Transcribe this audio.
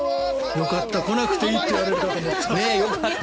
よかった、来なくていいと言われたかと思った。